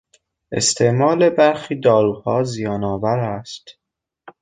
استعمال برخی داروها زیان آور است.